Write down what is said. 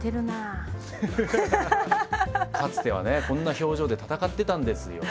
かつてはねこんな表情で戦ってたんですよ。